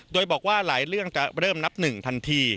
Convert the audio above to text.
โดยบอกว่าหลายเรื่องจะเริ่มนับหนึ่งทันที